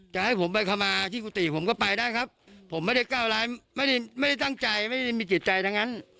จะให้ผมไปขมาที่กุฏิผมก็ไปได้ครับผมไม่ได้ก้าวร้ายไม่ได้ไม่ได้ตั้งใจไม่ได้มีจิตใจทั้งนั้น